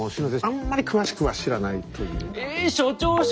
あんまり詳しくは知らないという感じです。